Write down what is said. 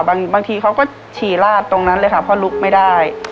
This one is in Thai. บางทีเขาก็ฉี่ลาดตรงนั้นเลยค่ะเพราะลุกไม่ได้